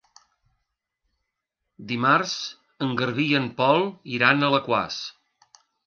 Dimarts en Garbí i en Pol iran a Alaquàs.